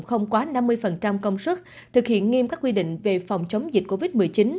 không quá năm mươi công sức thực hiện nghiêm các quy định về phòng chống dịch covid một mươi chín